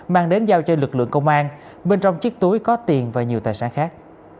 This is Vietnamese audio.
mang đến giao cho lực lượng công an bên trong chiếc túi có tiền và nhiều tài sản khác